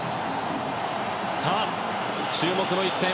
さあ、注目の一戦。